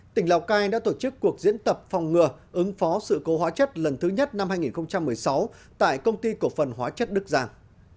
tỉnh lào cai đã tổ chức cuộc diễn tập phòng ngừa ứng phó sự cố hóa chất lần thứ nhất năm hai nghìn một mươi sáu tại công ty cổ phần hóa chất đức giang